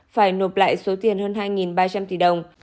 phải nộp lại số tiền hơn hai ba trăm linh tỷ đồng